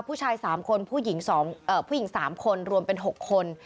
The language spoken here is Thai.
ผู้ชาย๓คนผู้หญิง๓คนรวมเป็น๖คน